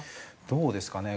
どうですかね